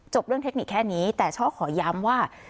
เรื่องเทคนิคแค่นี้แต่ช่อขอย้ำว่า